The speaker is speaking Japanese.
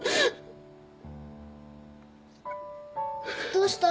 どうした？